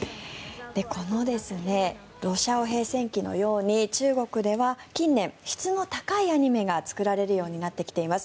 この「羅小黒戦記」のように中国では近年、質の高いアニメが作られるようになってきています。